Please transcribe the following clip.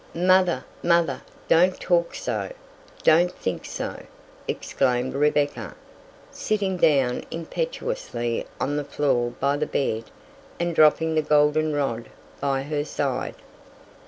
"Mother, mother, don't talk so, don't think so!" exclaimed Rebecca, sitting down impetuously on the floor by the bed and dropping the goldenrod by her side.